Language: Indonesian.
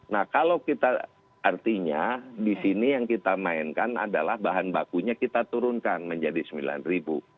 nah kalau kita artinya di sini yang kita mainkan adalah bahan bakunya kita turunkan menjadi sembilan ribu